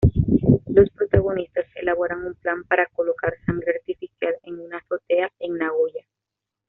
Los protagonistas elaboran un plan para colocar sangre artificial en una azotea en Nagoya.